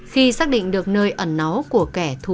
khi xác định được nơi ẩn nó của kẻ thuê